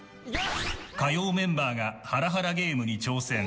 火曜メンバーがハラハラゲームに挑戦。